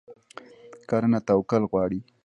کرنه توکل غواړي.